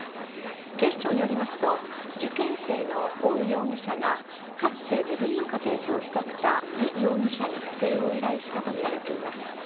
警視庁によりますと受験生のオウ容疑者がかつて自分の家庭教師だったリ容疑者に不正を依頼したとみられています。